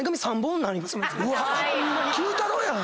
Ｑ太郎やん。